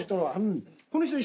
この人は。